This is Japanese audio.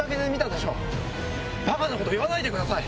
バカなこと言わないでください！